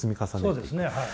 そうですねはい。